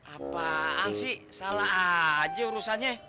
apaan sih salah aja urusannya